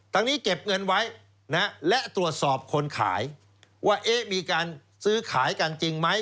นี้เก็บเงินไว้และตรวจสอบคนขายว่ามีการซื้อขายกันจริงไหม